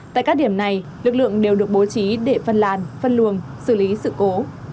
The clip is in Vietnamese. tại các điểm này lực lượng đều được bố trí để phân làn phân luồng xử lý sự cố